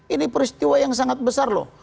ini peristiwa yang sangat besar loh